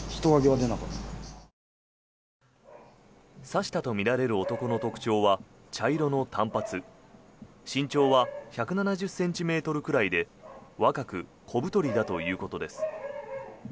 刺したとみられる男の特徴は茶色の短髪身長は１７０ｃｍくらいで若く小太りだということです。